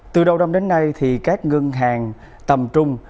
từ đầu năm đến nay thì các ngân hàng tầm trung